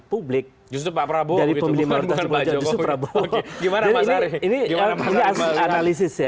publik justru pak prabowo dari pemilihan bukan pak jokowi gimana pak sari ini ini analisis ya